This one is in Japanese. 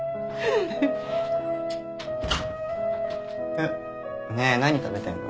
えっねえ何食べてんの？